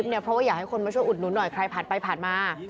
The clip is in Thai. เพราะว่าอยากให้คนมาช่วยอุดหนุนหน่อยใครผ่านไปผ่านมา